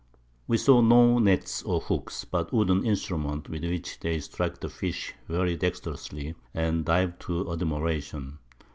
We saw no Nets or Hooks, but wooden Instruments, with which they strike the Fish very dextrously, and dive to admiration.